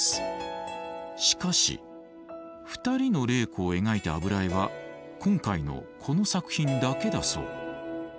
しかし２人の麗子を描いた油絵は今回のこの作品だけだそう。